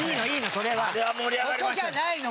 そこじゃないの。